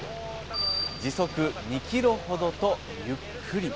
時速２ｋｍほどとゆっくり。